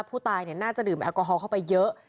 ผู้ตายน่าจะดื่มแอลกอฮอลเข้าไปเยอะ